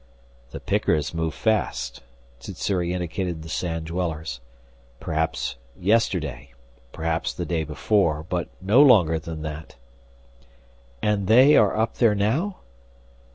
"The pickers move fast," Sssuri indicated the sand dwellers. "Perhaps yesterday, perhaps the day before but no longer than that." "And they are up there now?"